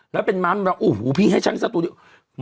แล้วเป็นม้ำอู๋พี่ให้ฉันสักตัวเดี๋ยว